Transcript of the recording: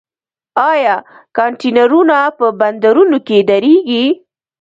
آیا کانټینرونه په بندرونو کې دریږي؟